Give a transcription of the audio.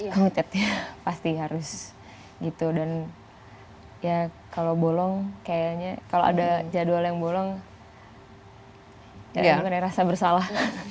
committed ya pasti harus gitu dan ya kalau bolong kayaknya kalau ada jadwal yang bolong ya bener bener rasa bersalah